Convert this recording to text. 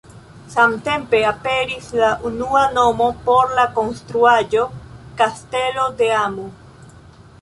Samtempe aperis la unua nomo por la konstruaĵo: "Kastelo de amo".